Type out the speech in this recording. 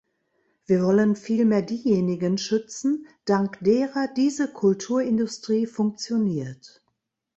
Wir wollen vielmehr diejenigen schützen, dank derer diese "Kulturindustrie" funktioniert.